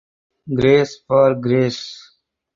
Grace for grace.